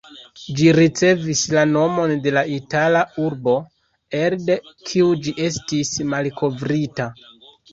Ĝi ricevis la nomon de la itala urbo, elde kiu ĝi estis malkovrita.